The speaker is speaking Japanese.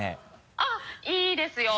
あっいいですよ。